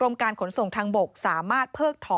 นั่นเท่ากับว่ารู้